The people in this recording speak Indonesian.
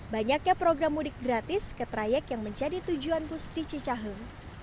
banyaknya program mudik gratis ke trayek yang menjadi tujuan bus di cicahem